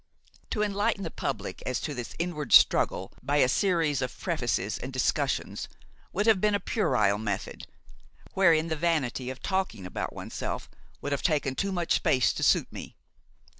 To enlighten the public as to this inward struggle by a series of prefaces and discussions would have been a puerile method, wherein the vanity of talking about one's self would have taken too much space to suit me.